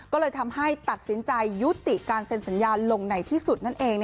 ก็เลยทำให้ตัดสินใจยุติการเซ็นสัญญาลงไหนที่สุดนั่นเอง